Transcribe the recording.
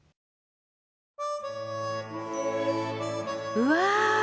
うわ！